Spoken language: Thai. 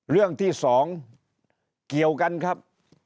เรื่องที่๒เกี่ยวกันครับ